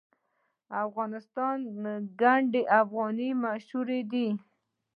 د افغانستان ګنډ افغاني مشهور دی